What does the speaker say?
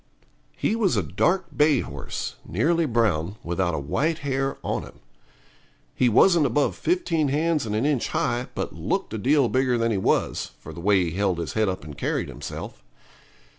He was a dark bay horse, nearly brown, without a white hair on him. He wasn't above 15 hands and an inch high, but looked a deal bigger than he was, for the way he held his head up and carried himself.